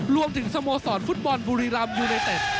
รวมถึงสโมสรฟุตบอลบุรีรัมพ์ยูเนเต็ด